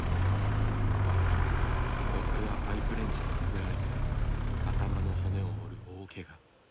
夫はパイプレンチで殴られて頭の骨を折る大けが。